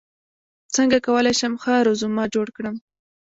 څنګه کولی شم ښه رزومه جوړ کړم